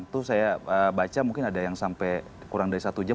itu saya baca mungkin ada yang sampai kurang dari satu jam